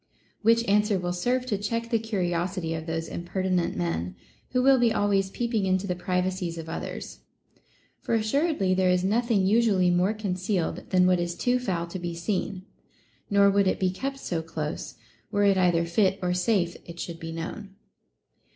Which answer will serve to check the curiosity of those impertinent men who will be always peeping into the privacies of others ; for assuredly there is nothing usually more concealed than what is too foul to be seen ; nor would it be kept so close, were it either fit or safe it should be known.